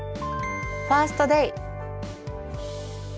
「ファースト・デイ」。